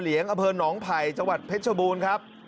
ทะเลียงอเภิญนองค์ไผ่จังหวัดเพชรบูรณ์ครับ